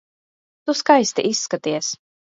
Tu skaisti izskaties.